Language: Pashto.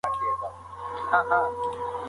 آیا ته د خپلې ژبې تاریخ ته ځیر سوی یې؟